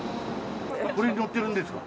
これに乗っているんですか？